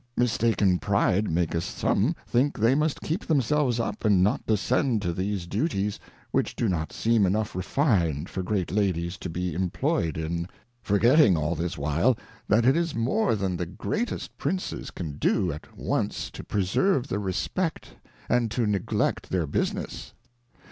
mistaken Pride maketh some think they must keep themselves up, and not descend to these Duties, which do not seem enough refined for great Ladies to be imploy^d in ; forgetting all this while, that it is more than the HUSBAND. 21 the greatest Princes can do, at once to preserve respect, and to neglect their Business.